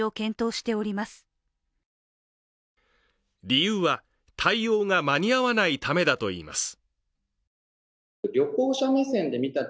理由は、対応が間に合わないためだといいます。